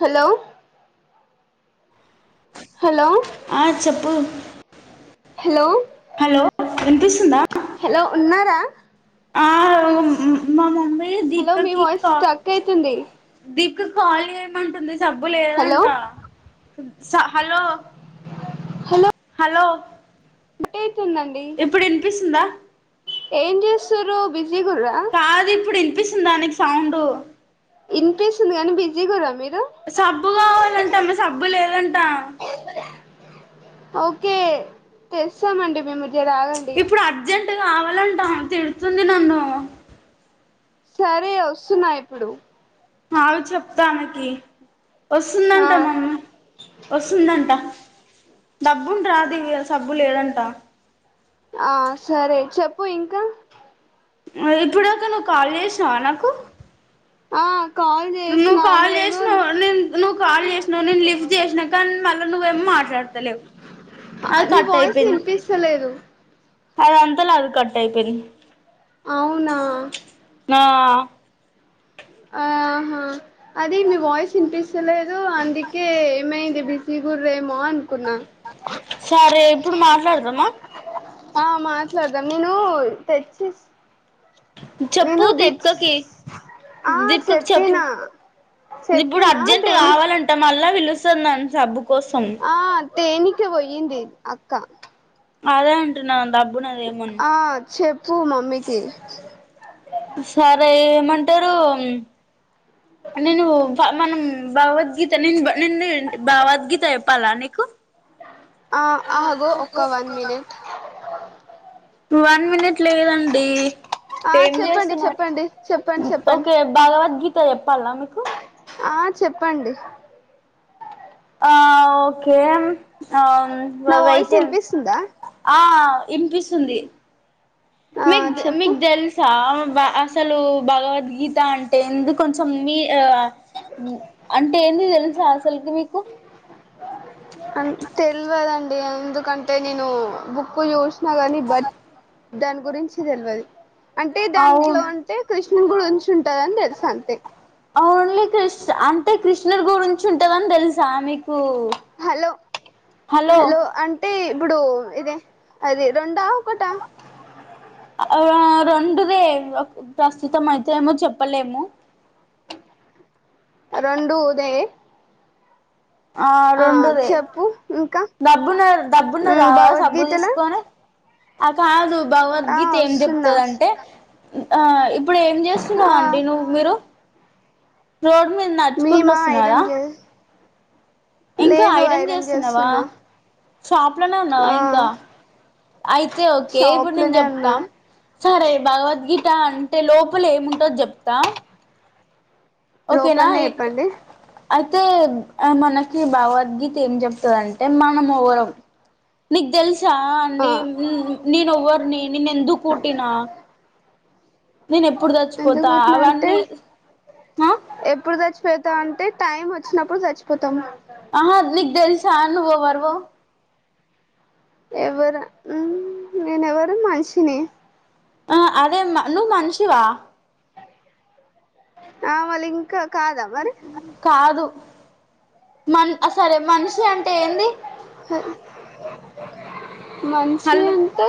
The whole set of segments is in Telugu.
హలో హలో ఆ చెప్పు హలో హలో ఎంతస్తుందా హలో ఉన్నారా ఆ మా మమ్మీ హలో మీ దీపికకి వాయిస్ టక్ అయితుంది ఒక కాల మంట జబ్బు హలో లేదంటా స హలో హలో కట్ అయితుందండి ఇప్పుడు వినిపిస్తుంద ఏం చేస్తారు బిజ శ్రీ గు్రా చపిసింది దానికి సౌండ్ ఇన్ పేస్ ఉంది కానీ బిజీ కూడా మీరు సబ్బు కావాలంటా మ సబ్బు లేదంట ఓకే తెలుసామండి మేము ఇ రాగండి అ కావాలంటాం తిడుతుంది నన్ను సరే వస్తున్నా ఇప్పుడు అవి చెప్తానకి ఆ పస్తుందందాంటా మమ్మీ పస్తుందందంటా డబ్బుంట రాదు ఇ సబ్బు లేదంట ఆ సరే చెప్పు ఇంకా ఇప్పుడాక నువ్వు కాల్ చేసావా నాకు ఆ కాల్ నువ్వు చేసినాను కాల్ ఏమో చేసినావు నేను నువ్వు కాల్ చేసినావు నేను లిఫ్ట్ చేసినా కానీ మళ్ళీ నువ్వేం మాట్లాడతలేవు అది నీ కట్ వాయిస్ వినిపిస్తలేదు అది అంతాల అది కట్ అయిపోయింది అవునా ఆ ఆహా అదే మీ వాయిస్ ఇంట్రెస్ట్ సరేలే అందుకే ఏమేమీ చెప్తా డిసిగు రేమన్ [unintelligible] సరే ఇప్పుడు మాట మొదలెల్దామా ఆ మాట్లాడదాం నేను తెచ్చి చెప్పు నేను తెచ్ దీప్కకి ఆ దీప్కకి చెప్పు చెప్పినా ఇప్పుడు చెప్పినా అర్జెంట్ తేని కావాలంటా మళ్ళ వీళ్ళస్త స మ్యామ్ సు [unintelligible] కోసం టేనికి పొయ్యింది అక్క అదే అంటున్నామ్ డ బ్బున్నదేమొ అని ఆ చెప్పు మమ్మీకి సరే ఏమన్ అంటారు నేను మనం భగవద్గీత నిన్ను భగవద్గీత చెప్పాలా నీకు ఆ ఆగు ఒక వన్ మినిట్ వన్ మినిట్ లేదండి ఆ ఏం చెప్పండి చేస్తున్నారు చెప్పండి చెప్పండి చెప్పండి ఓకే భగవద్గీత చెప్పాలా మీ కు ఆ చెప్పండి ఆ ఓకే ఆ నా వాయిస్ వెయిటిన్ వినిపిస్తుందా ఆ ఇనిపిస్తుంది ఆ మీకు చెప్పు మీకు తెలుసా అస్సలు భగవద్గీత అంటే ఎందుకు కొంచం మీ ఆ ని అంటే ఏంది తెలుసా తెల్దు మీకు అన్ తెల్వదం ఎందుకంటే నేను బుక్కు చూసి నాగానీ బట్ దాని గురించి తెల్వది అంటే అవు దాంట్లో అంటే కృష్ డు గురుంచ్ ఉంటాది అని తెల్సు అంతే ఓన్లీ కృష్ణ అంటే కృష్ణడి గురించి ఉంటేవని తెలుస్ స మీకు హలో హలో ఇప్పుడు ఇదే అది రొం ఆ రొం డా దే ప్రస్తుతం అయితే ఏమో చెప్పలేము రొండూ దే ఆ రెండుదే చెప్పు ఇంకా డబ్బున్న డబ్బున్న మ్ రావాల సబ్బు భగవద్గీతలో తీసుకొని ఆ కాదు ఆ భగవద్గీత ఏం వస్తున్నా చెప్తందంటే ఆ ఇప్పుడు ఏం చేస్తున్నావ్ ఆ అండి నువ్వు మీరు రోడ్ మీరు నడుచుకుంటూ మేమా వస్తున్నారా ఐరన్ చే ఇంకా లేదు ఐరన్ చేస్తున్నావ చేస్తున్నా షాప్లోనే ఉన్నావాా ఆ ఇంకా అయితే ఓకే ఇప్పుడు షాప్ నేను లోనే ఉన్నా చెప్తాను సరే భగవద్గీత అంటే లోపలే ఏముంటుందో చెప్తా కుత లోపలనే చెప్పండి అయితే మనకి భగవద్గీత ఏం చెప్తుందింటే మనం రో నీకు తెలుసు చా ఆ అండి నేను ఎవ్వరిని నిన్న ఎందుకు కుట్టినా నేను ఎప్పుడు ఎందుకు చచ్చిపోతా పెట్టినా అంటే అవన్నీ ఆ త అంటే టైం వచ్చినప్పుడు చచ్చిపోతాము అనువ వర్వ ఎవరు నన ఎవరు మనుషిన ఆ అదే నువవు మనుషివా ఆ మలింగ్ కాదా మరి కాదు మన్ సరే మనిషి అంటే ఏంది మంచి హలో అంతే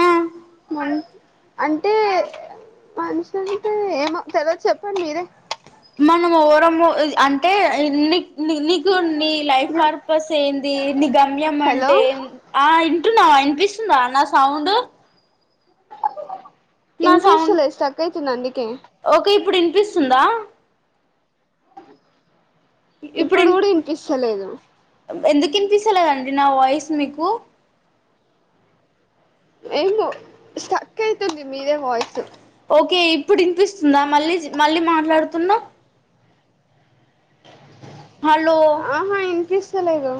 ఆ మ అంటే మనిషంటే ఏమో తెలవాదు చెప్పండి మీరే మనం ఓరం అంటే నీకు నీ లైఫ్ పర్పస్ ఏంది నీ గమ్యం హలో అంటే ఆ వింటున్నావు వినిపిస్తుందా నా సౌండ్ నా ఇన్ సౌండ్ పీస్లో ఇస్తకై నందికే ఓకే ఇప్పుడు వినిపిస్తుందా ఇప్పుడు కూడా ఇనిపిస్తలేదు ఎందుకు ఇనిపిించేలాగాండి నా వాయిస్ మీకు ఏమో సక్కయితుది మీరే వాయిసు ఓకే ఇప్పుడు వినిపిస్తుందా మళ్ళీ మళ్ళీ మాట్లాడుతున్నా హలో ఆహా ఇనిపిస్తలేదు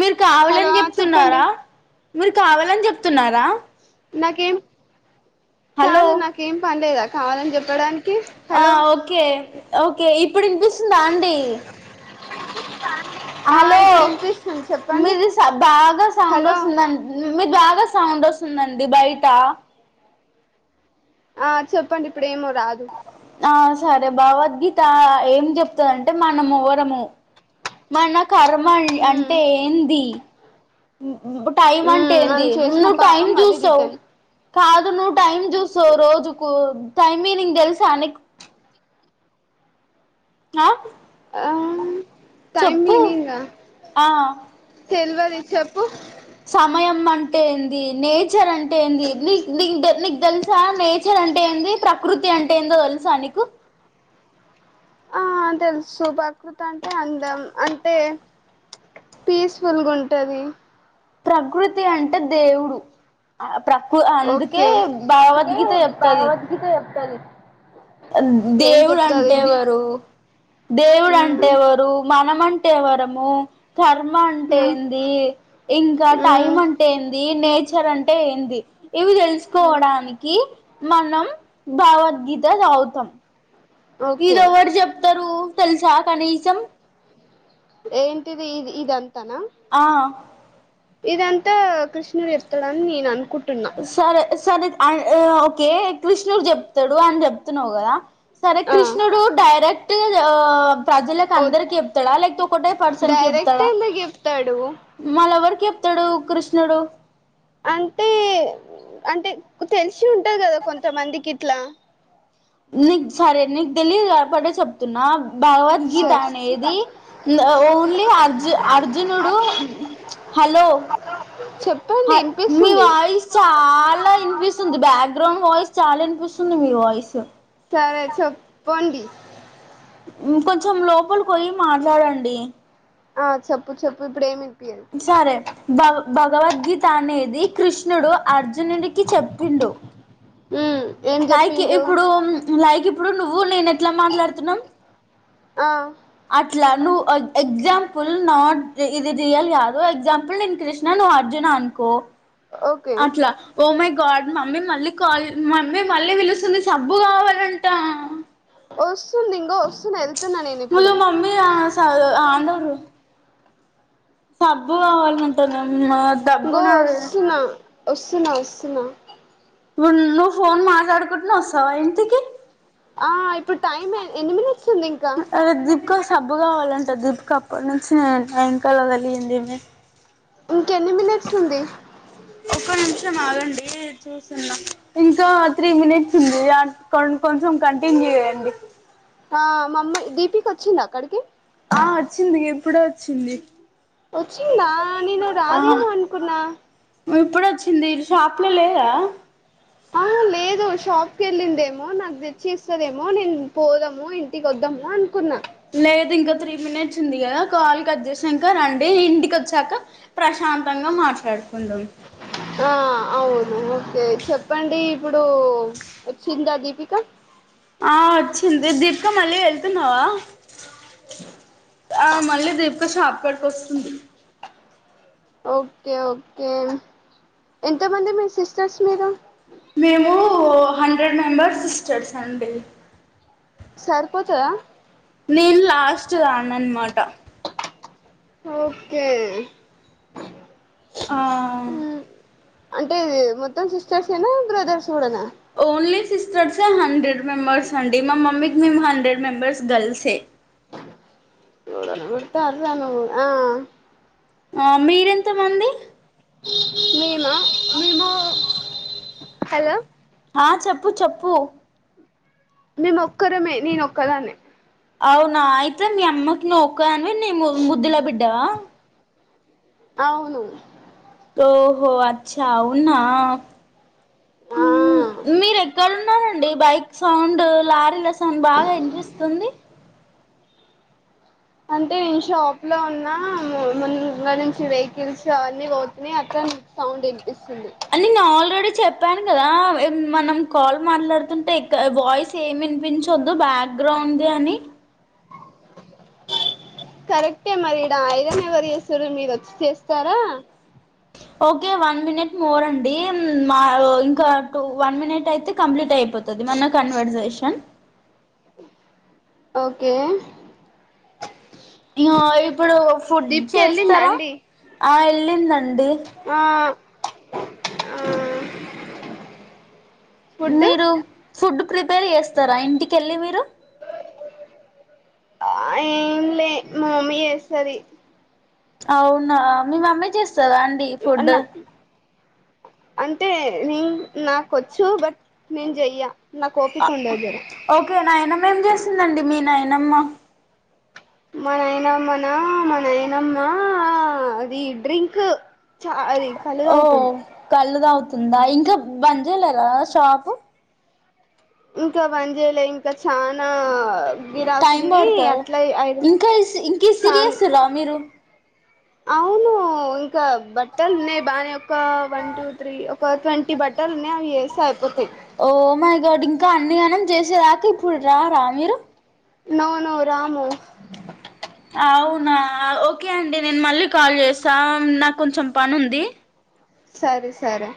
మీరు హలో కావాలని చెప్పండి చెప్తున్నారా మీరు కావాలని చెప్తున్నారా నాకేం హలో కాదు నాకుేం పాండేదా కాదని చెప్పడానికి ఆ హలో ఓకే ఓకే ఇప్పుడు విన్పిస్ స్తుంధి ఆ హలో ఇప్పుడు వినిపిస్తుంది చెప్పండి మీది సౌ బాగా సౌండ్ హలో వస్తుందండి మీది బాగా బాగా సౌండ్ వస్తుందండి బయట ఆ చెప్పండి ఇప్పుడేమో రాదు ఆ సరే భగవద్గీత ఏం చెప్తందింటే మనం ఎవరము మరణ కర్మ మ్మ్ అంటే ఏంది ఉమ్ ఉ టైమ్ అంటే మ్మ్ ఏంది మనం చేసిన నువ్వు టైం పాపం మళ్ళీ చూసావు రిటర్న్ కాదు ను టైమ్ జ సో రోజు కు టైమినింగ్ తెలుస్ అనేక్ హ ఆ టైమ్ చెప్పు ఆ తెల్వదిషప్పు సమయం అంటే ఏంది నేచర్ అంటే ఏంది నీ నీకు నీక తెలుసా నేచర్ అంటే ఏంది ప్రకృతి అంటే ఏందో తెలుసానికి ఆ తెలుసు ప్రకృత అంటే అందం అంటే పీస్ఫుల్గా ఉంటది ప్రకృతి అంటే దేవుడు ఆ ప్రకృ అందుకే ఓకే అందుకే భగవద్గీత చెప్తుంది భగవద్గీత చెప్తది ఏం దేవుడు చెప్తది అంటేవరు దేవుడు మ్మ్ అంటేవరు మనం టీ వారమో కర్మ అంటే మ్మ్ ఏంది. ఇంకా టైం మ్మ్ అంటే ఏంది నే చర్ ఇచ్చారంటే ఏంది. ఇవి మ్మ్ తెలుసుకోవడానికి మనం భగవద్గీత చదువుతాం. ఇది ఓకే ఎవరు చెప్తారు. తెలుసా కనీసం ఏంటిది ఇ ఇద అంతానా ఆ ఇదంతా కృష్ణుడు చెప్తాడని నీన్ అనుకు సరే సరే ఆ ఓకే కృష్ణుడు చెప్తాడు అని చెప్తున్నావు కదా సరే ఆ కృష్ణుడు డైరెక్ట్ ఆ ప్రజలలకు ఓ అందరికి చెప్తాడా లేపోతే ఒకటే పర్సంట్కి డైరెక్ట్ చెప్తాడా ఎందుకు చెప్తాడు మళ చెప్తాడు కృష్ణుడు అంటే అంటే తెలిసి ఉంటది కదా కొంతమందికి ఇట్లా నీకు సరే నీకు తెలిదు కాబట్టే చెప్తున్నా భగవద్గీత సర్ అనేది ఓన్లీ అర్జు అర్జునుడు హలో చెప్పండి మీ వినిపిస్తుంది వాయిస్ చాలా ఇనిపిస్తుంది బ్యాక్గ్రౌండ్ వా చాలా వినిపిస్తుంది మీ వాయిస్ సరే చెప్పండి కొంచెం లోపల పోయి మాట్లాడండి. ఆ చెప్పు చెప్పు ఇప్పుడు ఏమి వినిపియదు సరే భగవద్గీత అనేది కృష్ణుడు అర్జునుడికి చెప్పిండు. మ్ లైక్ ఇప్పుడు లై ఇప్పుడు నువ్వు నేను అట్లా మాట్లాడుతున్నా ఆ అట్లా నువ్వు ఎగ్జామ్ ఫుల్ నాట్ ఇది రియల్ కాదు ఎక్జాంపుల్ నిను కృష్ణ నువ్వు అర్జున అనుకో ఓకే అట్లా ఓ మమ్మీ మళ్ళీ కా మమ్మీ మళ్ళీ పిలుస్తుంది. సబ్బు కావాలంట వస్తుంది ఇంగ వస్తున్ ఎ ములు మమ్మీ [unintelligible] సబ్బు కావాల అంటుంది ఏం అమ్మ ఇంగో దబ్బునా వస్తున్నా వస్తున్నా వస్తున్నా నువ్ ఫోన్ మాట్లడుకుంటునే వస్తవ ఇంటి కి ఆ ఇ ఇప్పుడు టైమ్ ఎన్ని మినిట్స్ ఉంది ఇంకా ఇంకా సబ్బు కావాలంట దీపిక అప్పటి నుంచి వెనకాలే వెళ్లింది ఇంక ఎన్ని మినిట్స్ ఉంది ఒక నిమిషం ఆగండి చూసున్నా ఇంకా త్రీ మినిట్స్ ఉంది కొంచెం కంటిన్యూ చేయండి ఆ మా అమ్మయ్ దీపిక వచ్చిందా అక్కడికి ఆ వచ్చింది ఎప్పుడొ వచ్చింది వచ్చిందా నేను రాదు ఏమో అనుకున్నా ఇప్పుడ వచ్చింది షాప్ లో లేదా ఆ లేదు షాప్కి వెళ్ళిందేమో నాకు తెచ్చి ఇస్తదేమో నేను పోదాము ఇంటికి వద్దాము అనుకున్నా లేదు ఇంకా త్రీ మినిట్స్ ఉంది కదా కాల్ కలి సాక రండి ఇంటికి వచ్చాక ప్రశాంతంగా మాట్లాడుకుందాం ఆ అవును ఓకే చెప్పండి ఇప్పుడు వచ్చిందా దీపిక ఆ వచ్చింది దీపిక మళ్ళీ వెళ్తున్నావా ఆ మళ్ళీ దీపిక షాపింగ్ ఇక్కడికి వస్తుంది ఓకే ఓకే ఎంతమంది మీ సిస్టర్స్ మీరు మేము హండ్రెడ్ మెంబర్స్ సిస్టర్స్ అండి సరిపోతాద నేను లాస్ట్ దాన్ని అన్నమాట ఓకే ఆ అంటేది మొత్తం సిస్టర్స్ ఏనా బ్రదర్స్ కూడనా ఓన్లీ సిస్టర్స్ హండ్రెడ్ మెంబర్స్ అండి మా మమ్మీకి మేము హండ్రెడ్ మెంబర్స్ గర్ల్సే తర్రను ఆ ఆ మీరెంత మంది మేము మేము హలో ఆ చెప్పు చెప్పు మేము ఒక్కరమే నేను ఒక్కదాన్నె అవునా అయితే మీ అమ్మకి నువ్వు ఒక్క దా టే నీవు ముద్ధల బిడ్డవ అవును ఓహో అచ్చ అవునా ఆ మీర ఎక్కడున్నారండి బైట సౌండ్ లారీ ల సౌండ్ బాగా వినిపిస్తుంది అంటే నేను షాప్ లో ఉన్నా ముందుగా నుంచి వెహికల్స్ అవన్ని పోతున్నాయి అక్క సౌండ్ వినిపిస్తు నేన్ ఆల్రెడీ చెప్పాను కదా మనం కాల్ మాట్లాడుతుంటే వాయిస్ ఏమి వినిపించద్దు బ్యాక్గ్రౌండ్ ది అని కరెక్టే మరి ఐరన ఎగరిసు మీ వచ్చి చేస్తారా ఓకే వన్ మినిట్ మోర్ అండి మా ఇంకా టూ వన్ మినిట్ అయితే కంప్లీట్ అయిపో ది మన కన్వర్ట్ చేయి చెన్ ఓకే ఇ ఇప్పుడు ఫుడ్ దీప్కి వెళ్ళిందా చేస్తారా అండి ఆ వెళ్లిందండి ఆ ఆ ఫుడ్ మీరు ఫుడ్ ప్రతి రిపేర్ చేస్తారా ఇంటికెళ్ళి మీరు ఆ ఏం లే మమ్మీ చేస్తది అవునా మీ మమ్మీ చేస్త స్తదా అండి ఫుడ్ అన్న అంటే న నాకొచ్చు బట్ నేను చెయ్యా ఓకే నాయనమేం చేసిందండి మీ నాయ నమ్మ మా నయనమ్మనా మ నయనమ్మా అది డ్రింక్ చ అది కళ్ళు తాగుతుంది తుందా ఇంకా బంద్ చేయలేరా షాపు ఇంకా బంద్ చేయలే ఇంకా చానా టైం గిరాకుంది పడుతదా అట్లా ఐదు ఇంకా ఇంకా ఇస్సిరి చానా చేస్తుర్రా మీరు అవును ఇ క బట్టలు ఉన్నాయి బానే ఒక వన్ టూ త్రీ ఒక ట్వంటీ బట్టలు ఉన్నాయి అవి వేస్తా అయిపోతాయి కా అన్నిగనం చేసేదాకా ఇప్పుడు రా రా మీరు నో నో రాము అవునా ఓకే అండి నేను మళ్ళీ కాల్ చేస్తా నాకు కొంచెం పని ఉంది సరే సరే